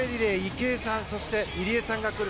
池江さん、そして入江さんが来る。